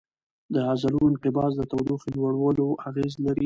د عضلو انقباض د تودوخې لوړولو اغېز لري.